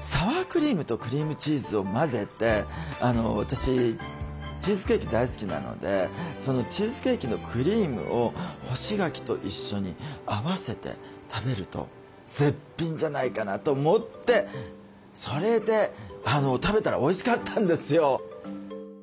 サワークリームとクリームチーズを混ぜて私チーズケーキ大好きなのでそのチーズケーキのクリームを干し柿と一緒に合わせて食べると絶品じゃないかなと思ってそれで食べたらおいしかったんですよ。